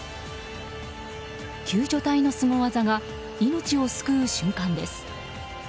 救助隊のスゴ技が命を救う瞬間です。